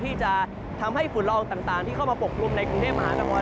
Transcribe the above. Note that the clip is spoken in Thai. ที่จะทำให้ฝุ่นละอองต่างที่เข้ามาปกกลุ่มในกรุงเทพมหานคร